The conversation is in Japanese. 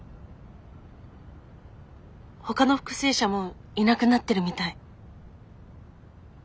ほかの復生者もいなくなってるみたい。